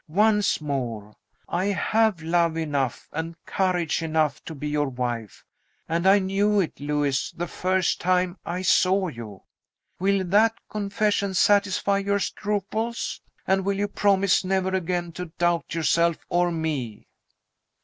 Once more I have love enough and courage enough to be your wife; and I knew it, Lewis, the first time I saw you! Will that confession satisfy your scruples? And will you promise never again to doubt yourself or me?"